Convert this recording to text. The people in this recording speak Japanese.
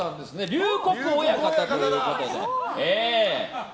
龍谷親方ということで。